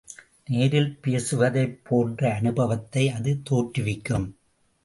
நேரில் பேசுவதைப் போன்ற அனுபவத்தை அது தோற்றுவிக்கும்.